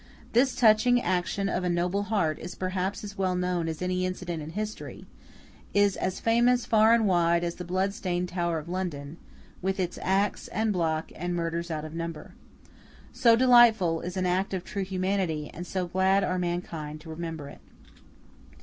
This touching action of a noble heart is perhaps as well known as any incident in history—is as famous far and wide as the blood stained Tower of London, with its axe, and block, and murders out of number. So delightful is an act of true humanity, and so glad are mankind to remember it.